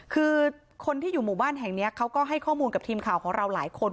คือคนที่อยู่หมู่บ้านแห่งนี้เขาก็ให้ข้อมูลกับทีมข่าวของเราหลายคน